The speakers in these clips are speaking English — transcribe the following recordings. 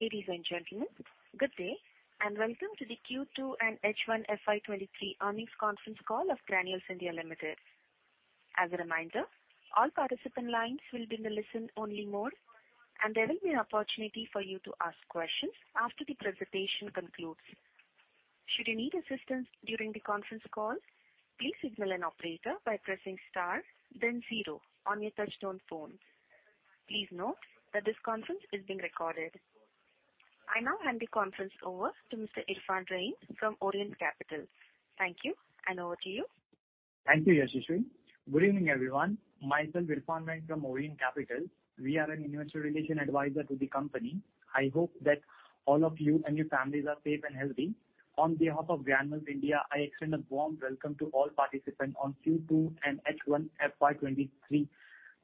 Ladies and gentlemen, good day, and welcome to the Q2 and H1 FY 2023 earnings conference call of Granules India Limited. As a reminder, all participant lines will be in a listen-only mode, and there will be an opportunity for you to ask questions after the presentation concludes. Should you need assistance during the conference call, please signal an operator by pressing star then zero on your touchtone phone. Please note that this conference is being recorded. I now hand the conference over to Mr. Irfan Raeen from Orient Capital. Thank you, and over to you. Thank you, Yashashree. Good evening, everyone. Myself Irfan Raeen from Orient Capital. We are an investor relations advisor to the company. I hope that all of you and your families are safe and healthy. On behalf of Granules India, I extend a warm welcome to all participants on Q2 and H1 FY 2023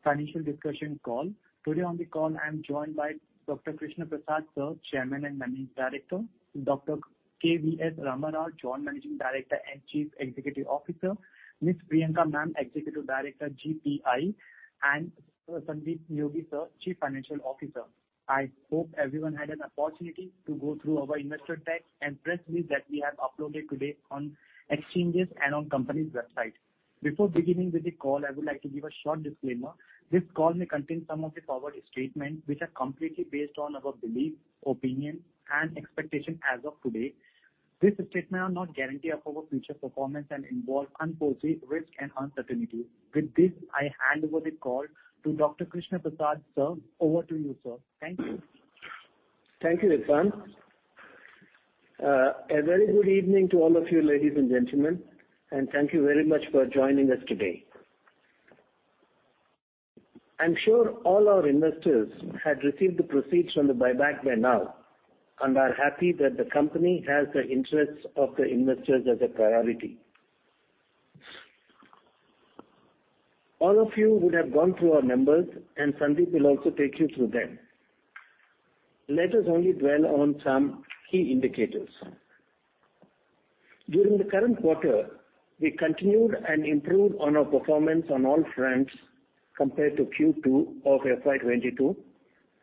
financial discussion call. Today on the call, I am joined by Dr. Krishna Prasad, sir, Chairman and Managing Director, Dr. K.V.S. Ram Rao, Joint Managing Director and Chief Executive Officer, Ms. Priyanka Ma'am, Executive Director, GPI, and Sandeep Neogi, sir, Chief Financial Officer. I hope everyone had an opportunity to go through our investor deck and press release that we have uploaded today on exchanges and on company's website. Before beginning with the call, I would like to give a short disclaimer. This call may contain some of the forward-looking statements which are completely based on our belief, opinion, and expectation as of today. These statements are not guarantees of our future performance and involve unforeseen risks and uncertainties. With this, I hand over the call to Dr. Krishna Prasad, sir. Over to you, sir. Thank you. Thank you, Irfan. A very good evening to all of you, ladies and gentlemen, and thank you very much for joining us today. I'm sure all our investors had received the proceeds from the buyback by now and are happy that the company has the interests of the investors as a priority. All of you would have gone through our numbers, and Sandeep will also take you through them. Let us only dwell on some key indicators. During the current quarter, we continued and improved on our performance on all fronts compared to Q2 of FY 2022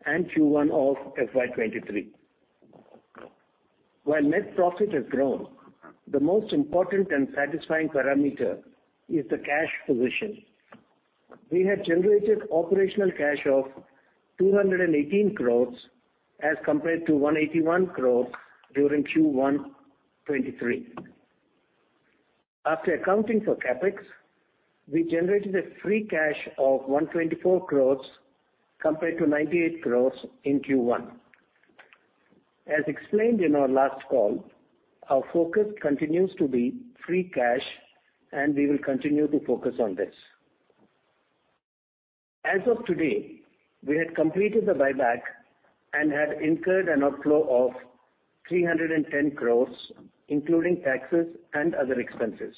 and Q1 of FY 2023. While net profit has grown, the most important and satisfying parameter is the cash position. We have generated operational cash of 218 crores as compared to 181 crores during Q1 2023. After accounting for CapEx, we generated free cash of 124 crore compared to 98 crore in Q1. As explained in our last call, our focus continues to be free cash, and we will continue to focus on this. As of today, we had completed the buyback and had incurred an outflow of 310 crore, including taxes and other expenses.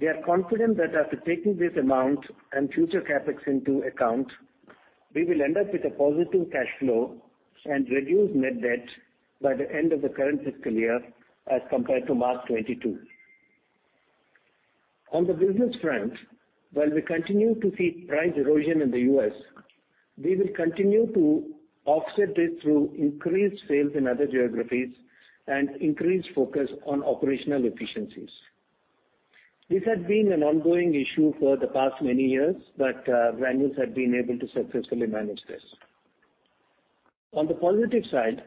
We are confident that after taking this amount and future CapEx into account, we will end up with a positive cash flow and reduce net debt by the end of the current fiscal year as compared to March 2022. On the business front, while we continue to see price erosion in the U.S., we will continue to offset it through increased sales in other geographies and increased focus on operational efficiencies. This has been an ongoing issue for the past many years, but Granules have been able to successfully manage this. On the positive side,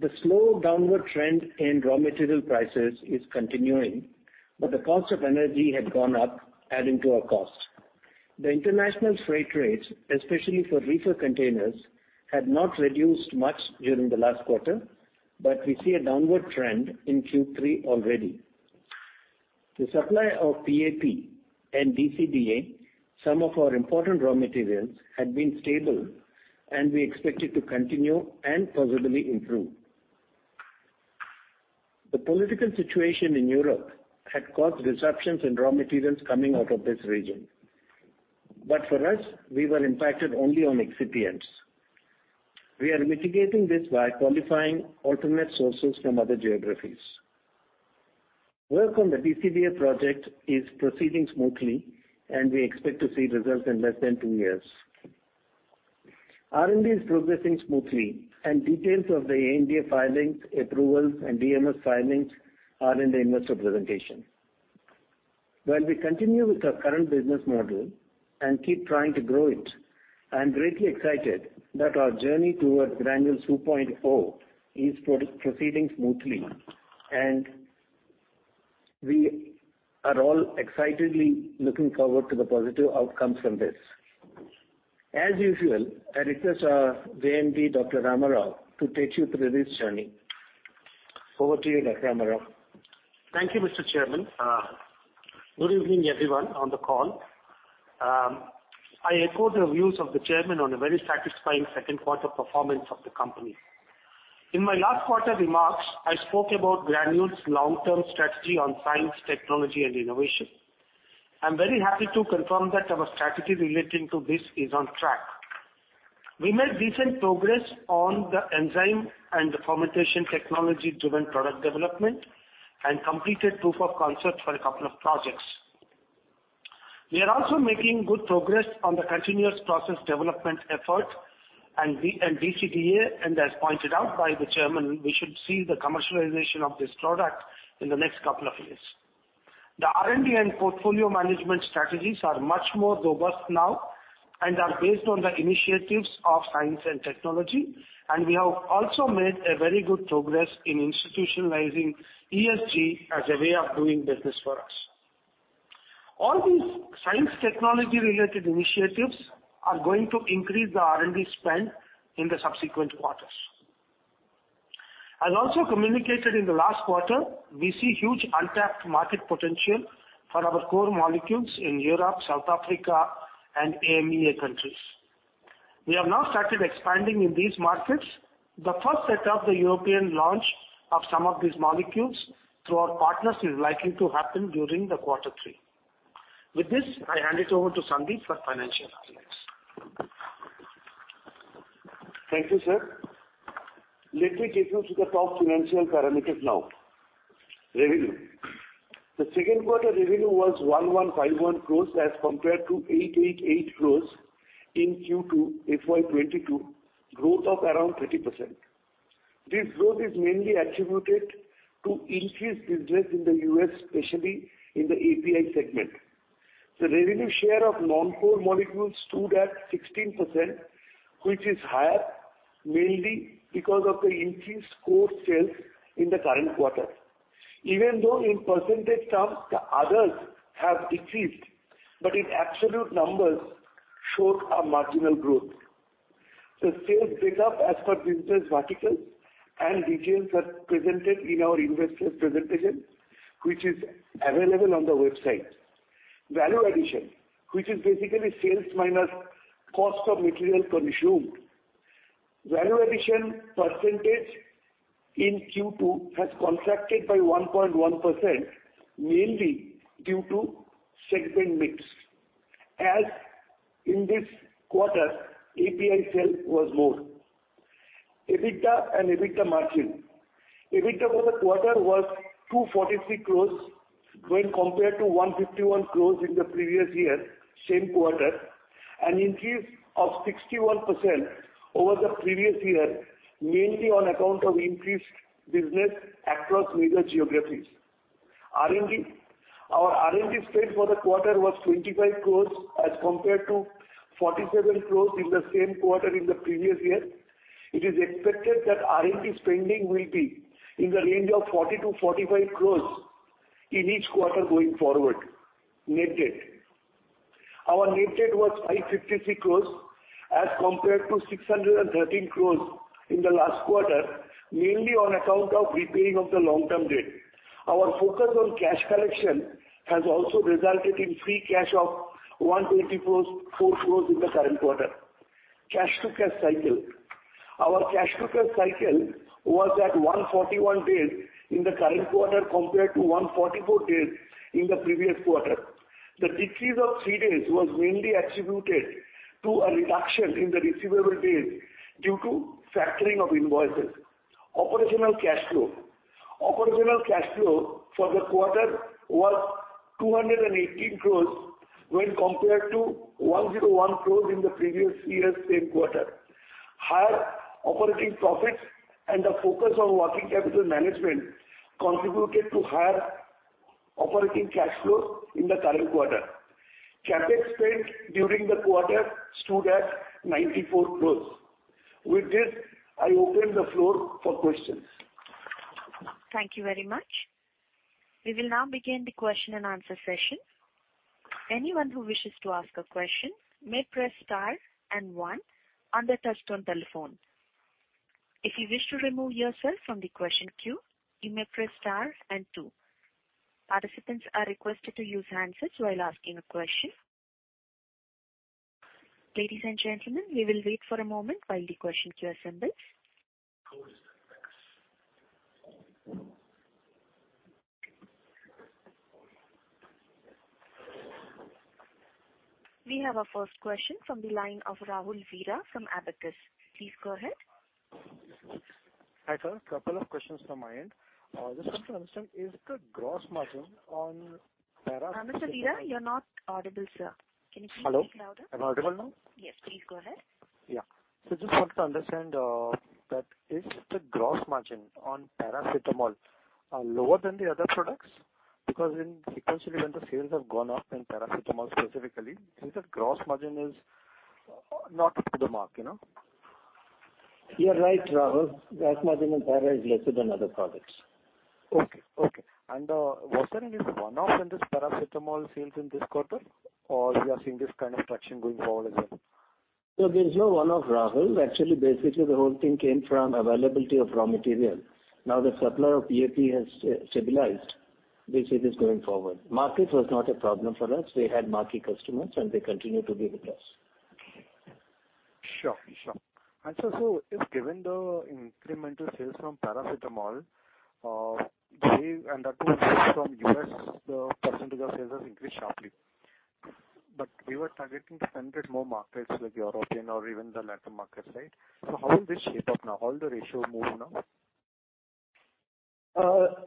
the slow downward trend in raw material prices is continuing, but the cost of energy had gone up, adding to our cost. The international freight rates, especially for reefer containers, had not reduced much during the last quarter, but we see a downward trend in Q3 already. The supply of PAP and DCDA, some of our important raw materials, had been stable, and we expect it to continue and possibly improve. The political situation in Europe had caused disruptions in raw materials coming out of this region. For us, we were impacted only on excipients. We are mitigating this by qualifying alternate sources from other geographies. Work on the DCDA project is proceeding smoothly, and we expect to see results in less than two years. R&D is progressing smoothly, and details of the ANDA filings, approvals, and DMF filings are in the investor presentation. While we continue with our current business model and keep trying to grow it, I am greatly excited that our journey towards Granules 2.0 is proceeding smoothly, and we are all excitedly looking forward to the positive outcomes from this. As usual, I request our JMD, Dr. Ram Rao, to take you through this journey. Over to you, Dr. Ram Rao. Thank you, Mr. Chairman. Good evening, everyone on the call. I echo the views of the chairman on a very satisfying second quarter performance of the company. In my last quarter remarks, I spoke about Granules' long-term strategy on science, technology, and innovation. I'm very happy to confirm that our strategy relating to this is on track. We made decent progress on the enzyme and the fermentation technology-driven product development and completed proof of concept for a couple of projects. We are also making good progress on the continuous process development effort and B- and DCDA, and as pointed out by the chairman, we should see the commercialization of this product in the next couple of years. The R&D and portfolio management strategies are much more robust now and are based on the initiatives of science and technology. We have also made a very good progress in institutionalizing ESG as a way of doing business for us. All these science technology related initiatives are going to increase the R&D spend in the subsequent quarters. As also communicated in the last quarter, we see huge untapped market potential for our core molecules in Europe, South Africa, and EMEA countries. We have now started expanding in these markets. The first set of the European launch of some of these molecules through our partners is likely to happen during the quarter three. With this, I hand it over to Sandeep for financial updates. Thank you, sir. Let me take you to the top financial parameters now. Revenue. The second quarter revenue was 1,151 crores as compared to 888 crores in Q2 FY 2022, growth of around 30%. This growth is mainly attributed to increased business in the U.S., especially in the API segment. The revenue share of non-core molecules stood at 16%, which is higher mainly because of the increased core sales in the current quarter. Even though in percentage terms the others have decreased, but in absolute numbers showed a marginal growth. The sales break up as per business verticals and details are presented in our investors presentation, which is available on the website. Value addition, which is basically sales minus cost of material consumed. Value addition percentage in Q2 has contracted by 1.1%, mainly due to segment mix, as in this quarter API sale was more. EBITDA and EBITDA margin. EBITDA for the quarter was 243 crore when compared to 151 crore in the previous year, same quarter, an increase of 61% over the previous year, mainly on account of increased business across major geographies. R&D. Our R&D spend for the quarter was 25 crore as compared to 47 crore in the same quarter in the previous year. It is expected that R&D spending will be in the range of 40 crore-45 crore in each quarter going forward. Net debt. Our net debt was 553 crore as compared to 613 crore in the last quarter, mainly on account of repaying of the long-term debt. Our focus on cash collection has also resulted in free cash of 184 crores in the current quarter. Cash to cash cycle. Our cash to cash cycle was at 141 days in the current quarter compared to 144 days in the previous quarter. The decrease of three days was mainly attributed to a reduction in the receivable days due to factoring of invoices. Operational cash flow. Operational cash flow for the quarter was 218 crores when compared to 101 crores in the previous year's same quarter. Higher operating profits and the focus on working capital management contributed to higher operating cash flow in the current quarter. CapEx spend during the quarter stood at 94 crores. With this, I open the floor for questions. Thank you very much. We will now begin the question and answer session. Anyone who wishes to ask a question may press star and one on their touch-tone telephone. If you wish to remove yourself from the question queue, you may press star and two. Participants are requested to use a handset while asking a question. Ladies and gentlemen, we will wait for a moment while the question queue assembles. We have our first question from the line of Rahul Vira from Abacus. Please go ahead. Hi, sir. Couple of questions from my end. Just want to understand, is the gross margin on para- Mr. Vira, you're not audible, sir. Can you please speak louder? Hello. I'm audible now? Yes, please go ahead. Yeah. Just want to understand, that is the gross margin on paracetamol lower than the other products? Because in the quarter when the sales have gone up in paracetamol specifically, since that gross margin is not to the mark, you know. You're right, Rahul. Gross margin on para is lesser than other products. Okay. Was there any one-off in this Paracetamol sales in this quarter, or you are seeing this kind of traction going forward as well? There's no one-off, Rahul. Actually, basically the whole thing came from availability of raw material. Now the supplier of PAP has stabilized. We see this going forward. Market was not a problem for us. We had marquee customers and they continue to be with us. Sure. Sir, so if given the incremental sales from Paracetamol, they and that too from U.S., the percentage of sales has increased sharply. We were targeting to enter more markets like European or even the LATAM market side. How will this shape up now? How will the ratio move now?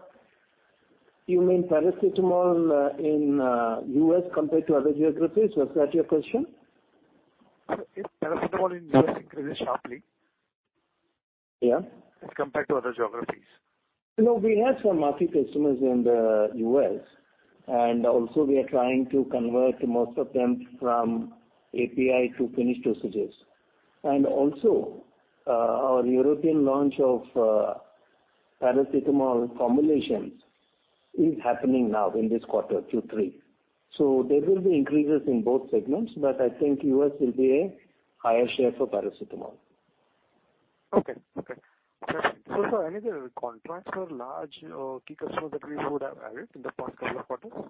You mean Paracetamol in U.S. compared to other geographies? Was that your question? If Paracetamol in U.S. increases sharply. Yeah. Compared to other geographies. You know, we have some marquee customers in the U.S., and also we are trying to convert most of them from API to finished dosages. Also, our European launch of paracetamol formulations is happening now in this quarter, Q3. There will be increases in both segments, but I think U.S. will be a higher share for paracetamol. Okay. Sir, any other contracts or large key customers that we would have added in the past couple of quarters?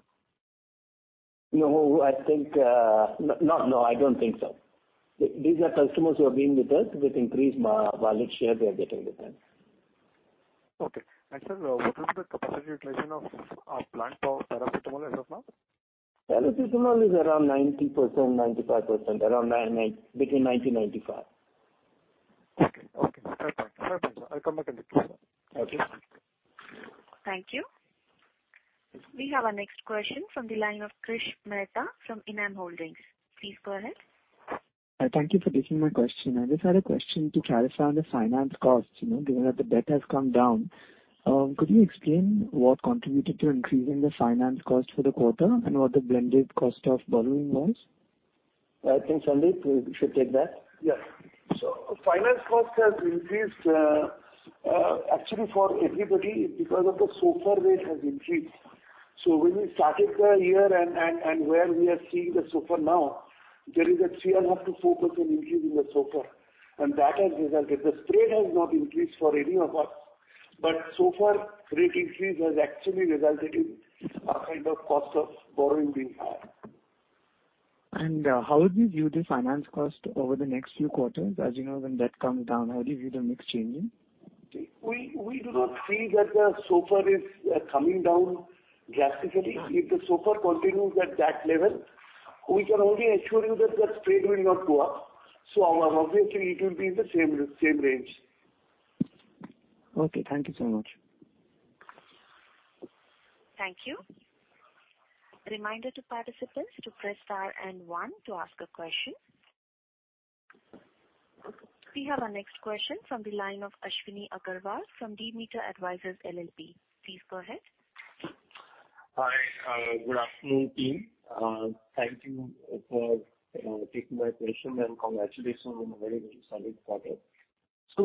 No, I don't think so. These are customers who have been with us. With increased market volume share, they are getting with them. Okay. Sir, what is the capacity utilization of plant for Paracetamol as of now? Paracetamol is around 90%, 95%. Around between 90% and 95%. Okay. Fair point, sir. I'll come back and get to you, sir. Okay. Thank you. We have our next question from the line of Krish Mehta from Enam Holdings. Please go ahead. Thank you for taking my question. I just had a question to clarify on the finance costs, you know, given that the debt has come down. Could you explain what contributed to increasing the finance cost for the quarter and what the blended cost of borrowing was? I think, Sandeep, you should take that. Yes. Finance cost has increased, actually for everybody because of the SOFR rate has increased. When we started the year and where we are seeing the SOFR now, there is a 3.5%-4% increase in the SOFR, and that has resulted. The spread has not increased for any of us. SOFR rate increase has actually resulted in a kind of cost of borrowing being higher. How would you view the finance cost over the next few quarters? As you know, when debt comes down, how do you view the mix changing? We do not see that the SOFR is coming down drastically. If the SOFR continues at that level, we can only assure you that the spread will not go up. Obviously it will be in the same range. Okay, thank you so much. Thank you. A reminder to participants to press star and one to ask a question. We have our next question from the line of Ashwini Agarwal from Demeter Advisors LLP. Please go ahead. Hi. Good afternoon, team. Thank you for taking my question, and congratulations on a very, very solid quarter.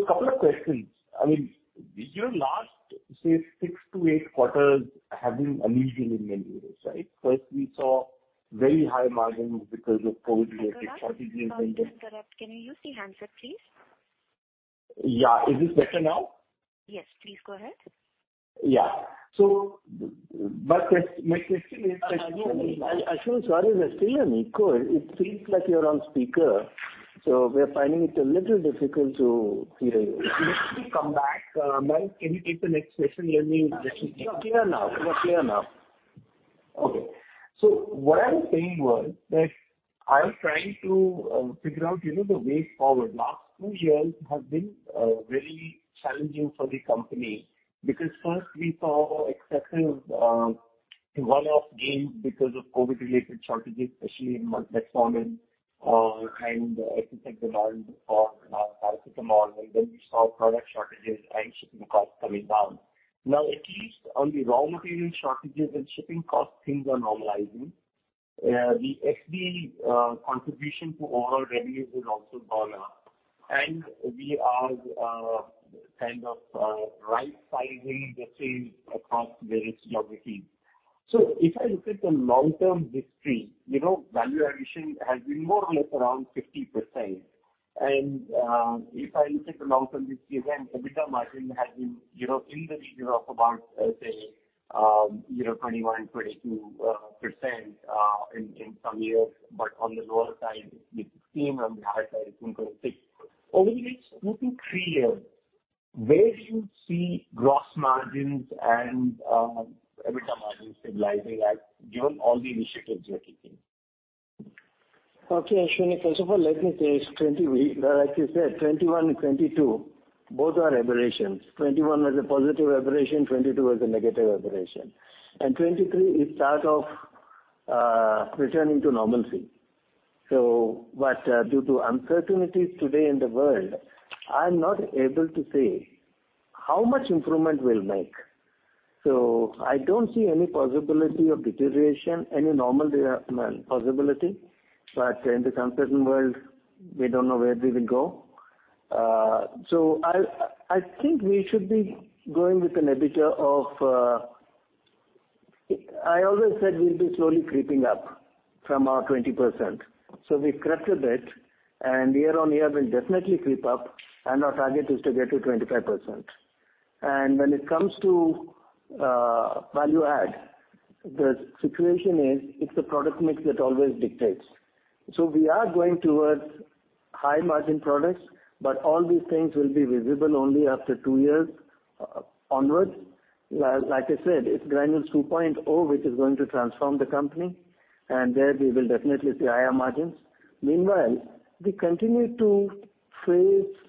Couple of questions. I mean, your last, say, 6-8 quarters have been unusual in many ways, right? First, we saw very high margins because of COVID-related shortages. Ashwini, sorry to interrupt. Can you use the handset, please? Yeah. Is this better now? Yes, please go ahead. Yeah. My question is, Ashwini, sorry to interrupt you again. It feels like you're on speaker, so we are finding it a little difficult to hear you. Let me come back. Mel, can you take the next question? You're clear now. Okay. What I was saying was that I was trying to figure out, you know, the way forward. Last two years have been very challenging for the company because first we saw excessive one-off gains because of COVID-related shortages, especially in metformin and ibuprofen or paracetamol. Then we saw product shortages and shipping costs coming down. Now, at least on the raw material shortages and shipping costs, things are normalizing. The FD contribution to overall revenues has also gone up. We are kind of right-sizing the sales across various geographies. If I look at the long-term history, you know, value addition has been more or less around 50%. If I look at the long-term history, then EBITDA margin has been, you know, in the region of about, say, you know, 21, 22%, in some years, but on the lower side it's 16%, on the higher side it's 26%. Over the next two-three years, where do you see gross margins and EBITDA margins stabilizing at given all the initiatives you are taking? Okay, Ashwini. First of all, let me say it's like you said, 2021 and 2022, both are aberrations. 2021 was a positive aberration, 2022 was a negative aberration. 2023 is start of returning to normalcy. But due to uncertainties today in the world, I'm not able to say how much improvement we'll make. I don't see any possibility of deterioration, any normal possibility. In this uncertain world, we don't know where we will go. I think we should be going with an EBITDA of. I always said we'll be slowly creeping up from our 20%. We corrected it, and year-over-year we'll definitely creep up, and our target is to get to 25%. When it comes to value add, the situation is it's the product mix that always dictates. We are going towards high-margin products, but all these things will be visible only after two years onwards. Like I said, it's Granules 2.0, which is going to transform the company. There we will definitely see higher margins. Meanwhile, we continue to face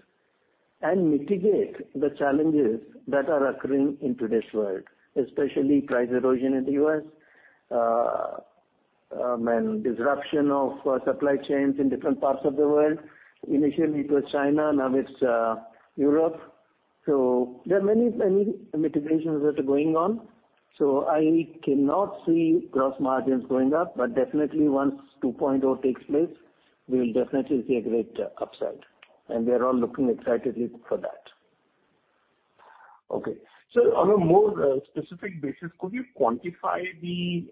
and mitigate the challenges that are occurring in today's world, especially price erosion in the U.S., and disruption of supply chains in different parts of the world. Initially it was China, now it's Europe. There are many mitigations that are going on, so I cannot see gross margins going up. But definitely once 2.0 takes place, we will definitely see a great upside. We are all looking excitedly for that. Okay. On a more specific basis, could you quantify the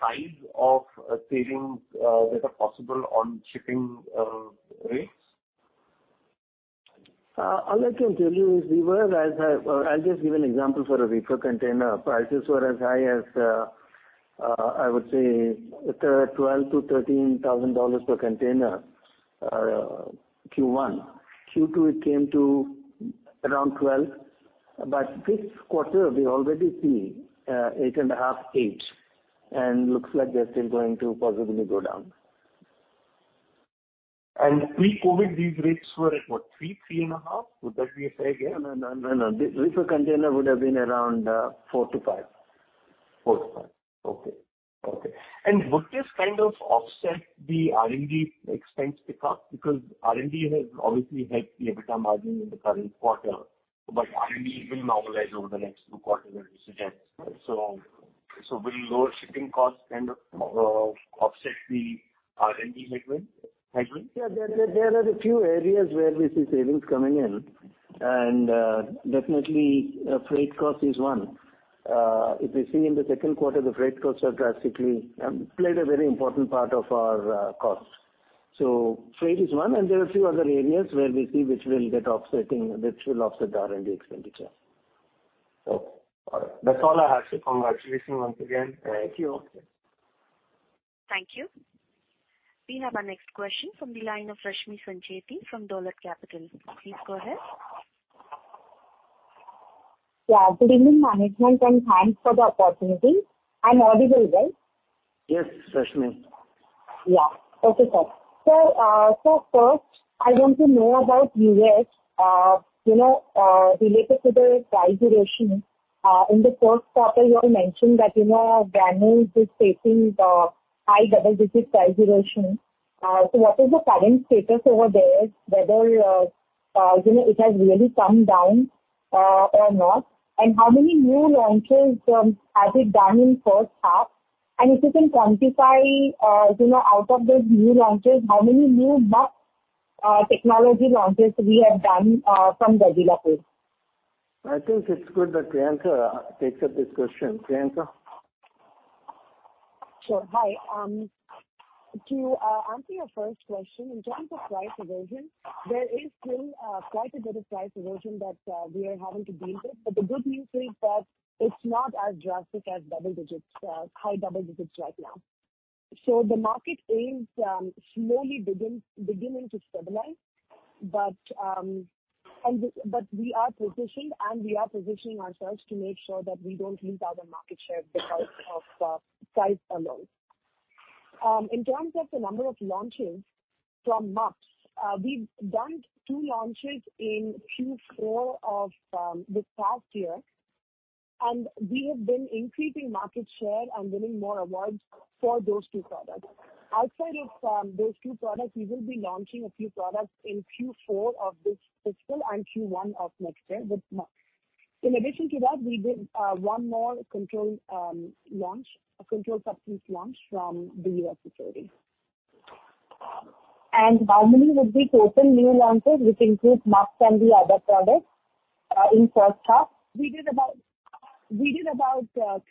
size of savings that are possible on shipping rates? All I can tell you is we were as high. I'll just give an example for a reefer container. Prices were as high as, I would say $12,000-$13,000 per container, Q1. Q2 it came to around $12,000. This quarter we already see $8,500, $8,000, and looks like they're still going to possibly go down. pre-COVID these rates were at, what, 3.5? Would that be a fair guess? No, no, no. The reefer container would have been around $4-$5. Four-five. Okay. Would this kind of offset the R&D expense pickup? Because R&D has obviously helped the EBITDA margin in the current quarter, but R&D will normalize over the next two quarters as you suggest. So will lower shipping costs kind of offset the R&D headwind? There are a few areas where we see savings coming in, and definitely, freight cost is one. If you see in the second quarter, the freight costs drastically played a very important part of our cost. Freight is one, and there are a few other areas where we see which will get offsetting, which will offset the R&D expenditure. Okay. All right. That's all I have, sir. Congratulations once again. Thank you. Thank you. We have our next question from the line of Rashmi Sancheti from Dolat Capital. Please go ahead. Yeah. Good evening, management, and thanks for the opportunity. I'm audible, right? Yes, Rashmi. Yeah. Okay, sir. Sir, first I want to know about U.S., you know, related to the price erosion. In the first quarter you all mentioned that, you know, Granules is facing high double-digit price erosion. What is the current status over there, whether you know, it has really come down or not? How many new launches have you done in first half? If you can quantify, you know, out of those new launches, how many new MUPS technology launches we have done from the developer? I think it's good that Priyanka takes up this question. Priyanka? Sure. Hi. To answer your first question, in terms of price erosion, there is still quite a bit of price erosion that we are having to deal with. The good news is that it's not as drastic as double digits, high double digits right now. The market is slowly beginning to stabilize. We are positioned and we are positioning ourselves to make sure that we don't lose out on market share because of price alone. In terms of the number of launches from MUPS, we've done two launches in Q4 of this past year, and we have been increasing market share and winning more awards for those two products. Outside of those two products, we will be launching a few products in Q4 of this fiscal and Q1 of next year with MUPS. In addition to that, we did one more controlled substance launch from the U.S. facility. How many would be total new launches, which include MUPS and the other products, in first half? We did about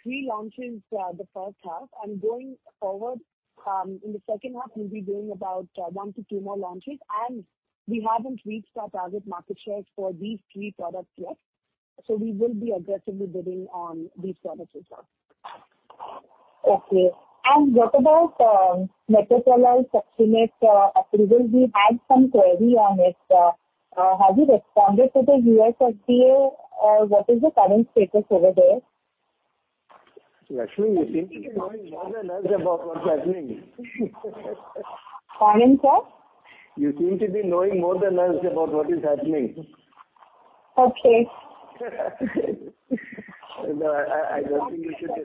three launches in the first half. Going forward, in the second half we'll be doing about one-two more launches. We haven't reached our target market shares for these three products yet, so we will be aggressively bidding on these products as well. Okay. What about Metoprolol Succinate approval? We had some query on it. Have you responded to the U.S. FDA? What is the current status over there? Rashmi, you seem to be knowing more than us about what's happening. Pardon, sir? You seem to be knowing more than us about what is happening. Okay. No, I don't think you should be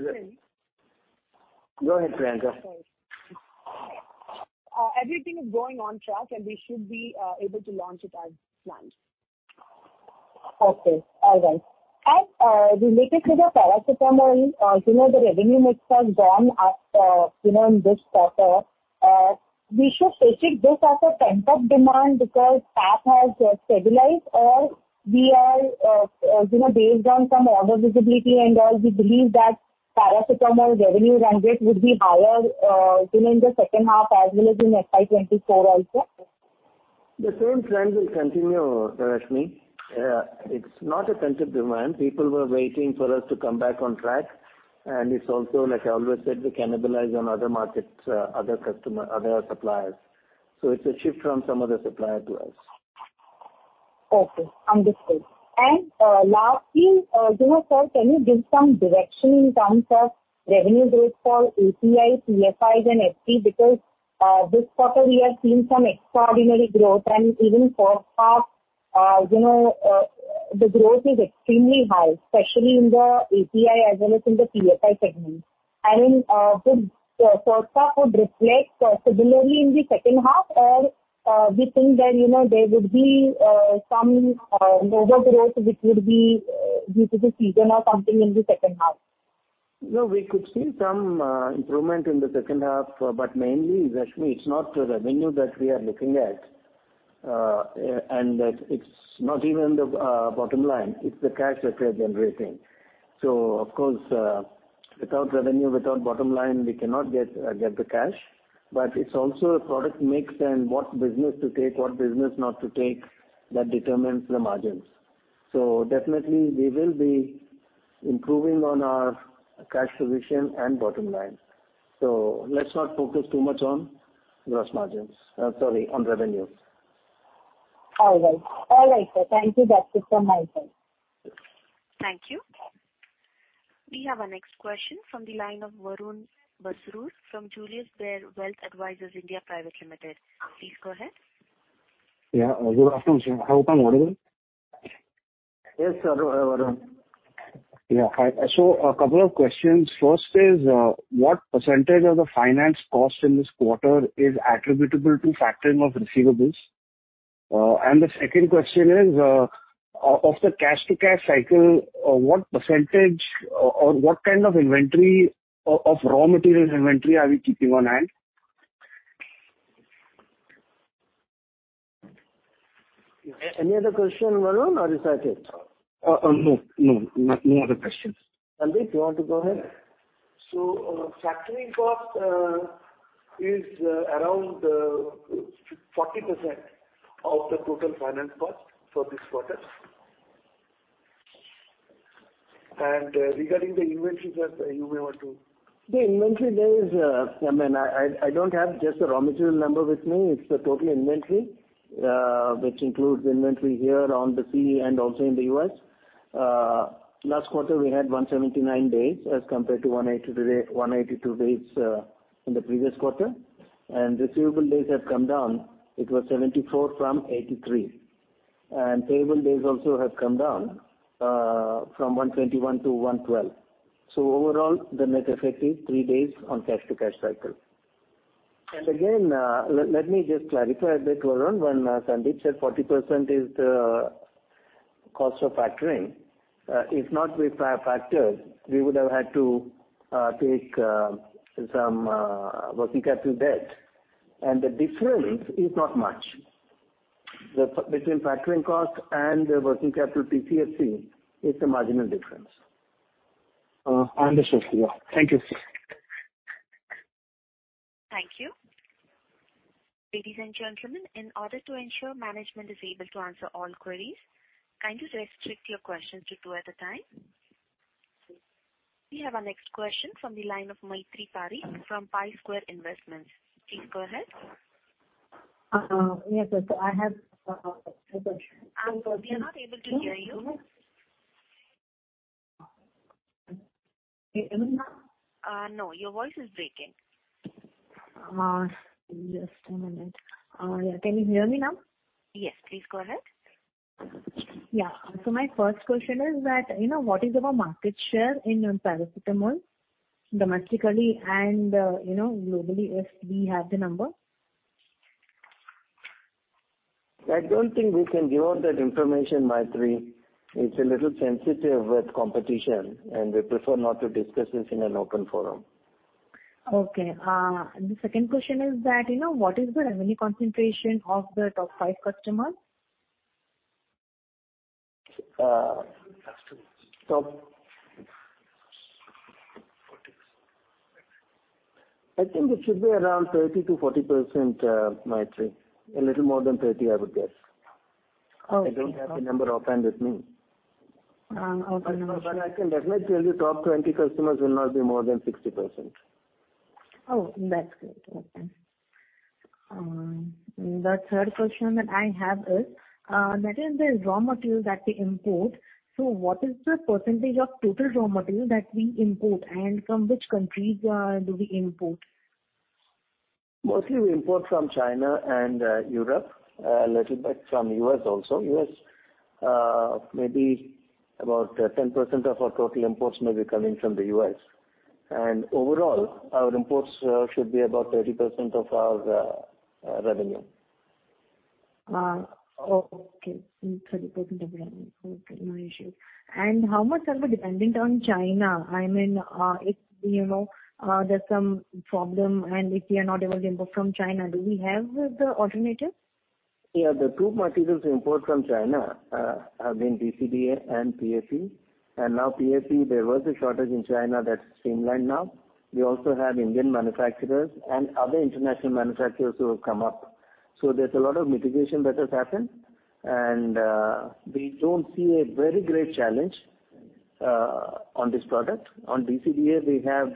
the- Everything is going. Go ahead, Priyanka. Sorry. Everything is going on track, and we should be able to launch it as planned. Okay. All right. Related to the Paracetamol, you know, the revenue mix has gone up, you know, in this quarter. We should treat this as a pent-up demand because API has stabilized, or we are, you know, based on some order visibility and all, we believe that Paracetamol revenue run rate would be higher, you know, in the second half as well as in FY 2024 also? The same trend will continue, Rashmi. It's not a pent-up demand. People were waiting for us to come back on track. It's also, like I always said, we cannibalize on other markets, other customer, other suppliers. It's a shift from some other supplier to us. Okay, understood. Lastly, you know, sir, can you give some direction in terms of revenue growth for API, PFIs and FD? Because this quarter we are seeing some extraordinary growth and even for past, you know, the growth is extremely high, especially in the API as well as in the PFI segment. Could first half would reflect similarly in the second half or we think that, you know, there would be some overgrowth which would be due to the season or something in the second half. No, we could see some improvement in the second half, but mainly, Rashmi, it's not the revenue that we are looking at. And that it's not even the bottom line, it's the cash that we are generating. Of course, without revenue, without bottom line, we cannot get the cash, but it's also a product mix and what business to take, what business not to take that determines the margins. Definitely we will be improving on our cash position and bottom line. Let's not focus too much on gross margins. Sorry, on revenue. All right, sir. Thank you. That's it from my side. Thank you. We have our next question from the line of Varun Basrur from Principal Asset Management. Please, go ahead. Yeah. Good afternoon, sir. Hope I'm audible. Yes, Varun. Yeah. A couple of questions. First is, what percentage of the finance cost in this quarter is attributable to factoring of receivables? And the second question is, of the cash to cash cycle, what percentage or what kind of inventory of raw materials inventory are we keeping on hand? Any other question, Varun, or is that it? No other questions. Sandeep, you want to go ahead? Our factoring cost is around 40% of the total finance cost for this quarter. Regarding the inventory, sir, you may want to The inventory there is, I mean, I don't have just the raw material number with me. It's the total inventory, which includes inventory here on the CE and also in the US. Last quarter we had 179 days as compared to 182 days in the previous quarter. Receivable days have come down. It was 74 from 83. Payable days also have come down from 121-112. Overall the net effect is three days on cash to cash cycle. Let me just clarify a bit, Varun, when Sandeep said 40% is the cost of factoring. If we don't factor, we would have had to take some working capital debt and the difference is not much. Between factoring cost and working capital, TCFC is a marginal difference. Understood, sir. Thank you, sir. Thank you. Ladies and gentlemen, in order to ensure management is able to answer all queries, kind of restrict your questions to two at a time. We have our next question from the line of Maitri Parekh from Pi Square Investments. Please go ahead. Yes, I have two questions. We are not able to hear you. Can you hear me now? No. Your voice is breaking. Just a minute. Can you hear me now? Yes. Please go ahead. My first question is that, you know, what is our market share in Paracetamol domestically and, you know, globally, if we have the number? I don't think we can give out that information, Maitri. It's a little sensitive with competition, and we prefer not to discuss this in an open forum. Okay. The second question is that, you know, what is the revenue concentration of the top five customers? I think it should be around 30%-40%, Maitri. A little more than 30, I would guess. Oh, okay. I don't have the number offhand with me. Okay. No issues. I can definitely tell you top 20 customers will not be more than 60%. Oh, that's great. Okay. The third question that I have is, that is the raw material that we import. What is the percentage of total raw material that we import, and from which countries do we import? Mostly we import from China and Europe, a little bit from U.S. also. U.S., maybe about 10% of our total imports may be coming from the U.S. Overall, our imports should be about 30% of our revenue. Okay. 30% of revenue. Okay, no issues. How much are we dependent on China? I mean, if you know there's some problem and if we are not able to import from China, do we have the alternative? Yeah. The two materials we import from China have been DCDA and PAP. Now PAP, there was a shortage in China that's streamlined now. We also have Indian manufacturers and other international manufacturers who have come up. There's a lot of mitigation that has happened, and we don't see a very great challenge on this product. On DCDA, we have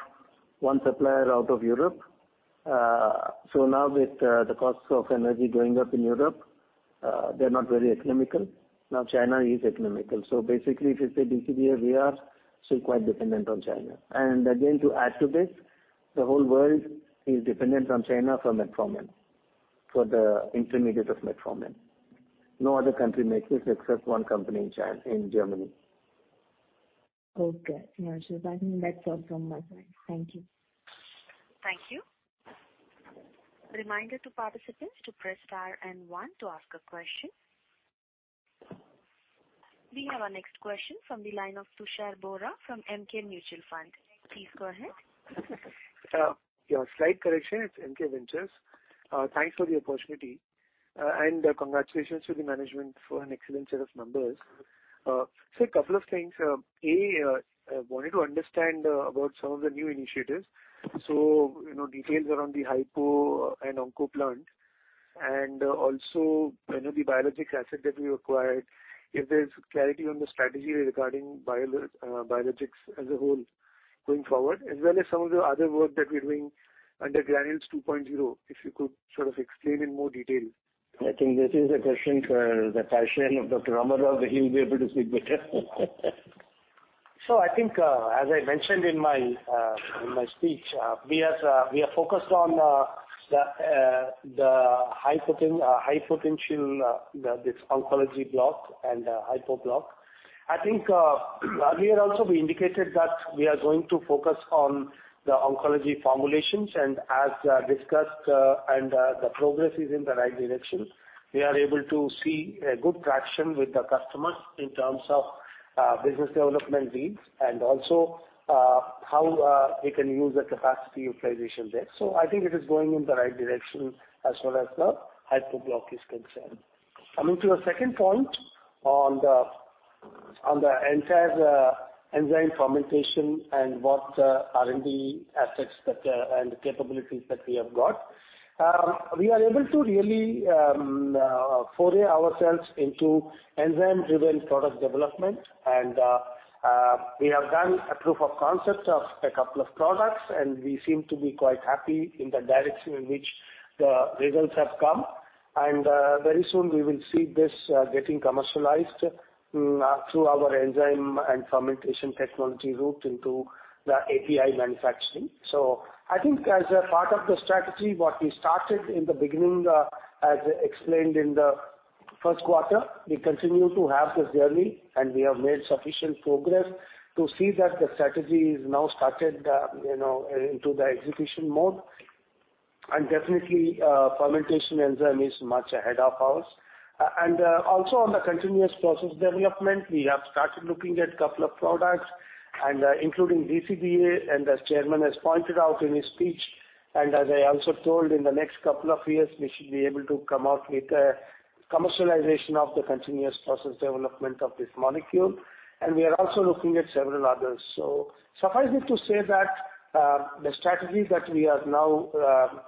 one supplier out of Europe. Now with the costs of energy going up in Europe, they're not very economical. Now China is economical. Basically if you say DCDA, we are still quite dependent on China. Again, to add to this, the whole world is dependent on China for metformin, for the intermediate of metformin. No other country makes this except one company in Germany. Okay. Yeah, sure. I think that's all from my side. Thank you. Thank you. Reminder to participants to press star and one to ask a question. We have our next question from the line of Tushar Bohra from ENAM Ventures. Please go ahead. Yeah, slight correction, it's ENAM Ventures. Thanks for the opportunity, and congratulations to the management for an excellent set of numbers. A couple of things. A, I wanted to understand about some of the new initiatives. You know, details around the HIPO and onco plant and also, you know, the biologics asset that we acquired, if there's clarity on the strategy regarding biologics as a whole going forward, as well as some of the other work that we're doing under Granules 2.0, if you could sort of explain in more detail. I think this is a question for the panel of Dr. Ram. He'll be able to speak better. I think, as I mentioned in my speech, we are focused on the high potential, this oncology block and HIPO block. I think, earlier also we indicated that we are going to focus on the oncology formulations, and as discussed, the progress is in the right direction. We are able to see a good traction with the customers in terms of business development leads and also how we can use the capacity utilization there. I think it is going in the right direction as far as the HIPO block is concerned. Coming to the second point on the entire enzyme fermentation and what R&D assets and capabilities that we have got. We are able to really foray ourselves into enzyme-driven product development. We have done a proof of concept of a couple of products, and we seem to be quite happy in the direction in which the results have come. Very soon we will see this getting commercialized through our enzyme and fermentation technology route into the API manufacturing. I think as a part of the strategy, what we started in the beginning, as explained in the first quarter, we continue to have this journey and we have made sufficient progress to see that the strategy is now started, you know, into the execution mode. Definitely, fermentation enzyme is much ahead of ours. Also on the continuous process development, we have started looking at couple of products and, including DCDA, and as Chairman has pointed out in his speech, and as I also told in the next couple of years, we should be able to come out with a commercialization of the continuous process development of this molecule. We are also looking at several others. Suffice it to say that, the strategy that we are now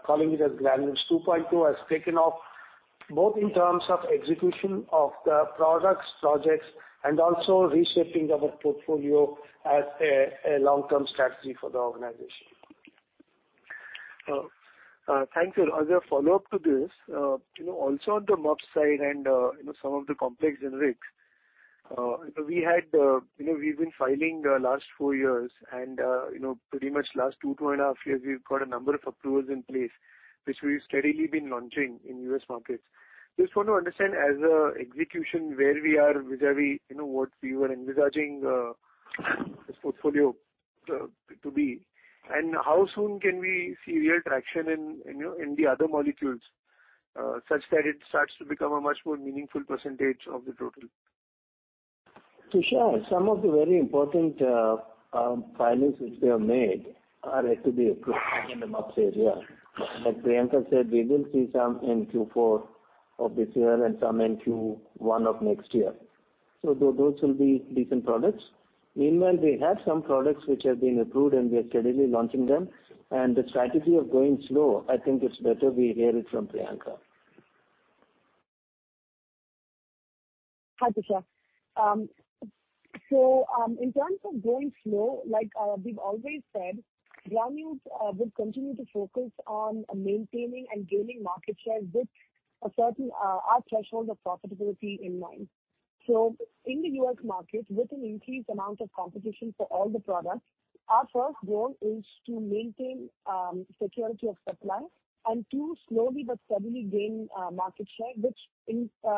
calling it as Granules 2.0 has taken off, both in terms of execution of the products, projects, and also reshaping our portfolio as a long-term strategy for the organization. Thanks. As a follow-up to this, you know, also on the MUP side and, you know, some of the complex generics, we've been filing the last four years and, you know, pretty much last two and a half years, we've got a number of approvals in place, which we've steadily been launching in U.S. markets. Just want to understand as far as execution where we are vis-à-vis, you know, what we were envisaging, this portfolio to be, and how soon can we see real traction in the other molecules, such that it starts to become a much more meaningful percentage of the total? Tushar, some of the very important filings which we have made are actually approved in the MUPS area. Like Priyanka said, we will see some in Q4 of this year and some in Q1 of next year. Those will be decent products. Meanwhile, we have some products which have been approved and we are steadily launching them. The strategy of going slow, I think it's better we hear it from Priyanka. Hi, Tushar. In terms of going slow, like, we've always said, Granules would continue to focus on maintaining and gaining market share with a certain our threshold of profitability in mind. In the U.S. market, with an increased amount of competition for all the products, our first goal is to maintain security of supply and two, slowly but steadily gain market share, which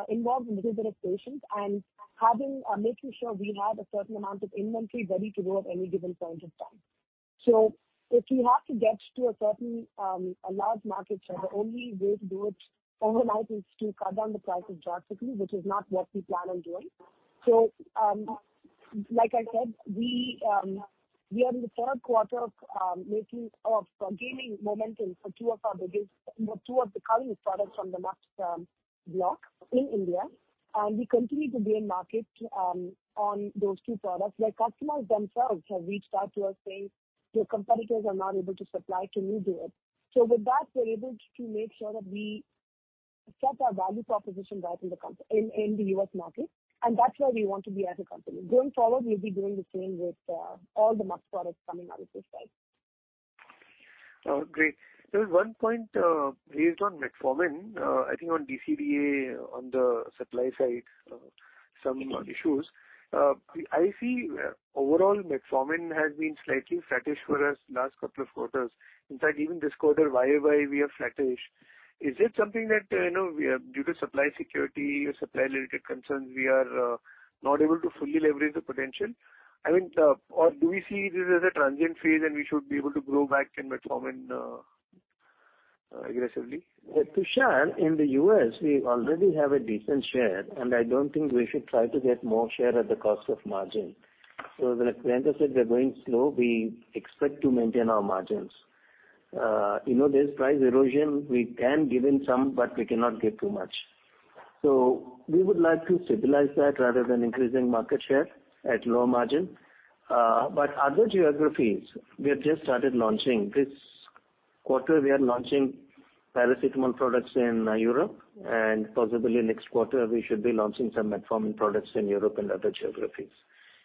involves a little bit of patience and making sure we have a certain amount of inventory ready to go at any given point of time. If we have to get to a certain large market share, the only way to do it overnight is to cut down the price of drugs, which is not what we plan on doing. Like I said, we are in the third quarter of gaining momentum for two of our biggest current products from the MUPS block in India. We continue to gain market share on those two products, where customers themselves have reached out to us saying, "Your competitors are not able to supply, can you do it?" With that, we're able to make sure that we set our value proposition right in the U.S. market, and that's where we want to be as a company. Going forward, we'll be doing the same with all the MAB products coming out of this pipeline. Oh, great. There was one point raised on Metformin, I think on DCDA on the supply side, some issues. I see overall Metformin has been slightly flattish for us last couple of quarters. In fact, even this quarter year-over-year we are flattish. Is it something that, you know, we are due to supply security or supply-related concerns, we are not able to fully leverage the potential? I mean, or do we see this as a transient phase and we should be able to grow back in Metformin, aggressively? Tushar, in the U.S. we already have a decent share, and I don't think we should try to get more share at the cost of margin. As Dr. K.V.S. Ram Rao Said, we are going slow. We expect to maintain our margins. You know, there's price erosion. We can give in some, but we cannot give too much. We would like to stabilize that rather than increasing market share at low margin. Other geographies, we have just started launching. This quarter we are launching Paracetamol products in Europe, and possibly next quarter we should be launching some Metformin products in Europe and other geographies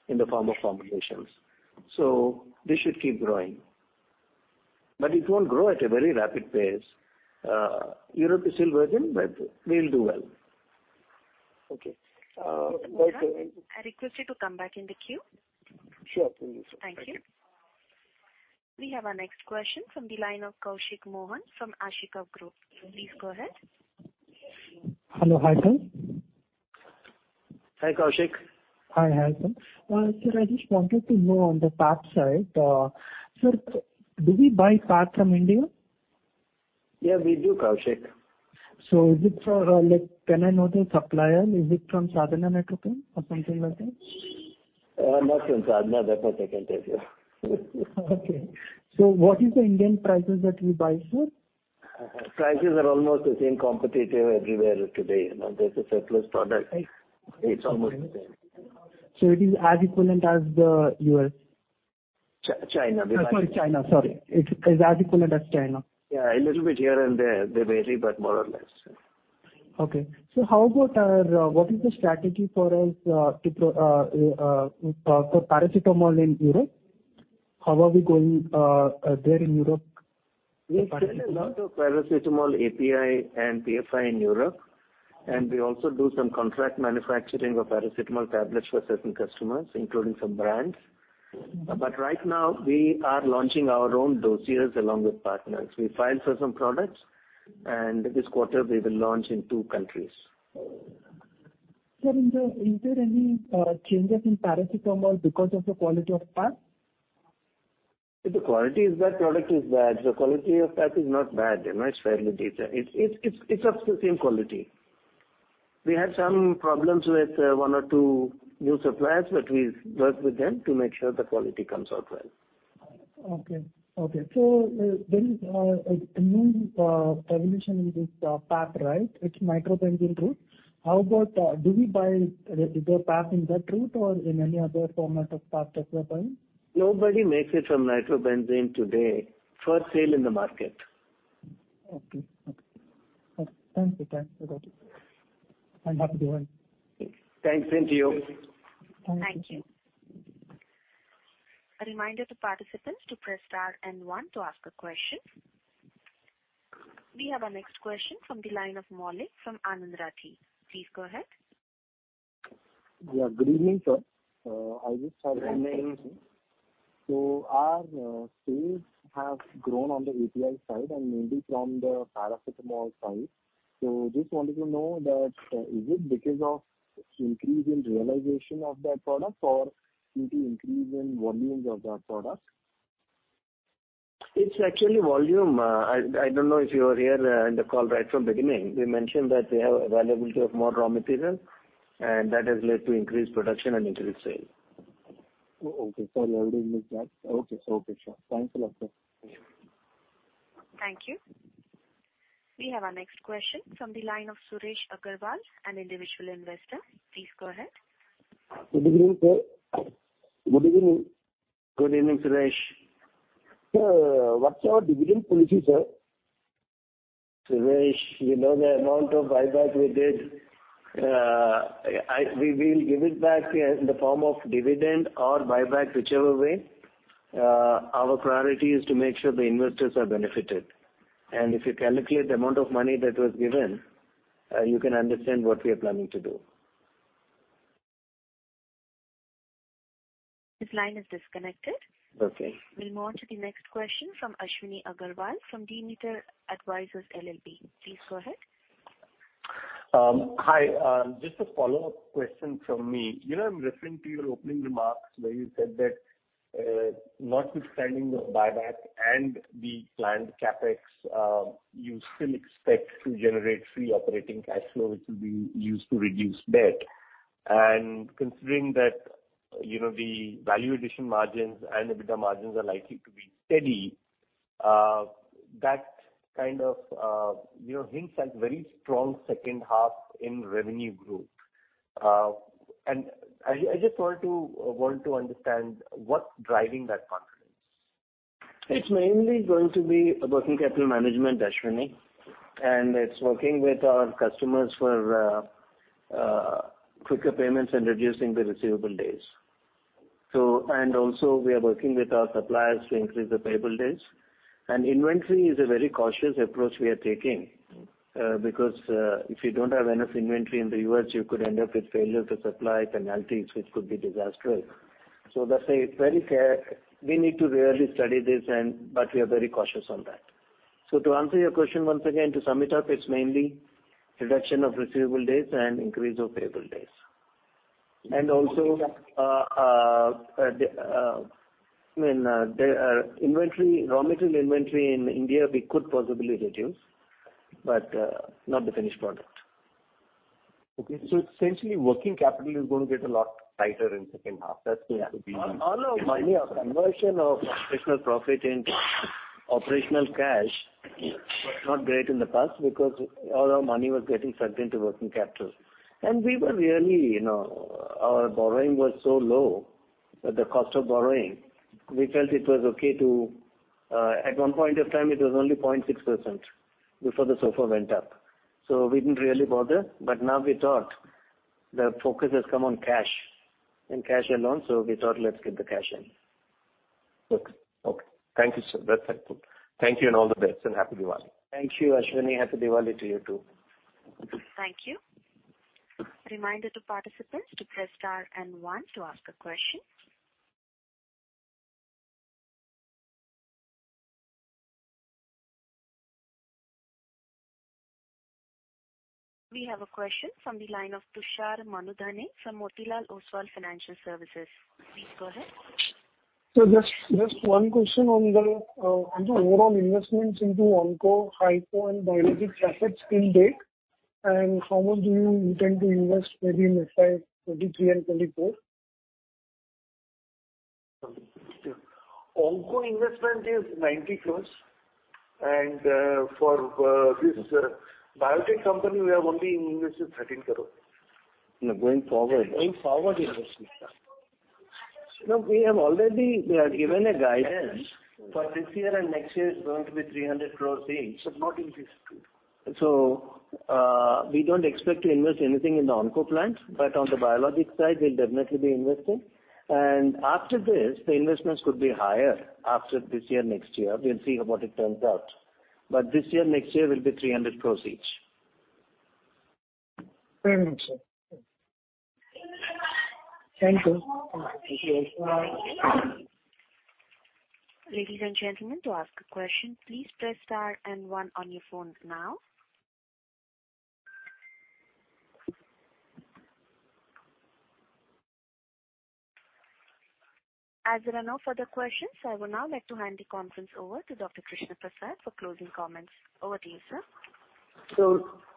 in the form of formulations. This should keep growing. It won't grow at a very rapid pace. Europe is still virgin, but we'll do well. Okay. By the way. I request you to come back in the queue. Sure thing. Thank you. We have our next question from the line of Kaushik Mohan from Ashika Group. Please go ahead. Hello, Hi, Kaushik. Hi, Kaushik. Hi, Hi Kaushik. Sir, I just wanted to know on the PAP side, sir, do we buy PAP from India? Yeah, we do, Kaushik. Is it for, like, can I know the supplier? Is it from Sadhana Nitro Chem or something like that? Not from Sadhana. That much I can tell you. Okay. What is the Indian prices that you buy, sir? Prices are almost the same, competitive everywhere today. You know, that's a surplus product. Right. It's almost the same. It is as equivalent as the U.S. Ch-China. Sorry, China. Sorry. It's as equivalent as China. Yeah, a little bit here and there. They vary, but more or less. How about what is the strategy for us for Paracetamol in Europe? How are we doing there in Europe? We sell a lot of paracetamol API and PFI in Europe, and we also do some contract manufacturing of paracetamol tablets for certain customers, including some brands. Right now we are launching our own dossiers along with partners. We filed for some products, and this quarter we will launch in two countries. Sir, is there any changes in Paracetamol because of the quality of PAP? If the quality is bad, product is bad. The quality of PAP is not bad. You know, it's fairly decent. It's of the same quality. We had some problems with one or two new suppliers, but we've worked with them to make sure the quality comes out well. Okay. There is a new definition in this PAP, right? It's nitrobenzene route. How about do we buy the PAP in that route or in any other format of PAP that we are buying? Nobody makes it from nitrobenzene today for sale in the market. Okay. Thank you. Thanks for that. Have a good one. Thanks. Same to you. Thank you. Thank you. A reminder to participants to press star and one to ask a question. We have our next question from the line of Maulik Parekh from Anand Rathi. Please go ahead. Yeah, good evening, sir. I just have one question. Good evening. Our sales have grown on the API side and mainly from the Paracetamol side. Just wanted to know that, is it because of increase in realization of that product or due to increase in volumes of that product? It's actually volume. I don't know if you were here in the call right from beginning. We mentioned that we have availability of more raw material, and that has led to increased production and increased sales. Okay. Sorry, I would have missed that. Okay. Okay, sure. Thanks a lot, sir. Thank you. We have our next question from the line of Suresh Aggarwal, an individual investor. Please go ahead. Good evening, sir. Good evening. Good evening, Suresh. Sir, what's our dividend policy, sir? Suresh, you know the amount of buyback we did. We will give it back in the form of dividend or buyback, whichever way. Our priority is to make sure the investors are benefited. If you calculate the amount of money that was given, you can understand what we are planning to do. His line is disconnected. Okay. We'll move to the next question from Ashwini Agarwal, from Demeter Advisors LLP. Please go ahead. Hi. Just a follow-up question from me. You know, I'm referring to your opening remarks where you said that, notwithstanding the buyback and the planned CapEx, you still expect to generate free operating cash flow, which will be used to reduce debt. Considering that, you know, the value addition margins and EBITDA margins are likely to be steady, that kind of, you know, hints at very strong second half in revenue growth. I just want to understand what's driving that confidence? It's mainly going to be a working capital management, Ashwini, and it's working with our customers for quicker payments and reducing the receivable days. We are working with our suppliers to increase the payable days. Inventory is a very cautious approach we are taking, because if you don't have enough inventory in the U.S., you could end up with failure to supply penalties, which could be disastrous. That's a very careful. We need to really study this but we are very cautious on that. To answer your question once again, to sum it up, it's mainly reduction of receivable days and increase of payable days. I mean, the inventory, raw material inventory in India, we could possibly reduce, but not the finished product. Essentially working capital is going to get a lot tighter in second half. That's going to be. All our money or conversion of operational profit into operational cash was not great in the past because all our money was getting sucked into working capital and we were really, you know, our borrowing was so low that the cost of borrowing, we felt it was okay to at one point in time it was only 0.6% before the SOFR went up. We didn't really bother. Now we thought the focus has come on cash and cash alone. We thought, let's get the cash in. Okay. Thank you, sir. That's helpful. Thank you and all the best and happy Diwali. Thank you, Ashwini. Happy Diwali to you too. Thank you. Reminder to participants to press star and one to ask a question. We have a question from the line of Tushar Manudhane from Motilal Oswal Financial Services. Please go ahead. Just one question on the overall investments into Onco, HIPO, and biologics assets intake, and how much do you intend to invest maybe in FY 2023 and 2024? Onco investment is 90 crore. For this biotech company, we have only invested 13 crore. No, going forward. Going forward investments. Look, we have already given a guidance for this year and next year is going to be 300 crores each. Not in this too. We don't expect to invest anything in the Onco plant, but on the biologic side we'll definitely be investing. After this, the investments could be higher after this year, next year, we'll see what it turns out. This year, next year will be 300 crores each. Very much, sir. Thank you. Thank you. Ladies and gentlemen, to ask a question, please press star and one on your phones now. As there are no further questions, I would now like to hand the conference over to Dr. Krishna Prasad for closing comments. Over to you, sir.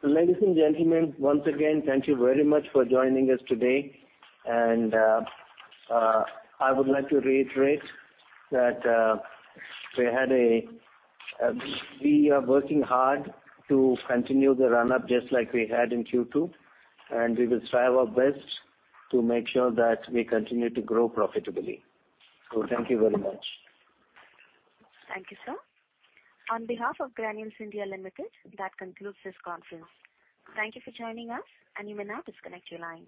Ladies and gentlemen, once again, thank you very much for joining us today. I would like to reiterate that we are working hard to continue the run-up just like we had in Q2, and we will strive our best to make sure that we continue to grow profitably. Thank you very much. Thank you, sir. On behalf of Granules India Limited, that concludes this conference. Thank you for joining us and you may now disconnect your line.